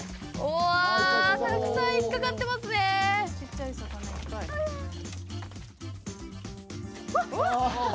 わあたくさん引っかかってますねわっ！